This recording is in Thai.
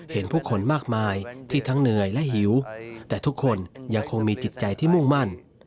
เห็นผู้คนมากมายที่ทั้งเหนื่อยและหิวแต่ทุกคนยังคงมีจิตใจที่มุ่งมั่น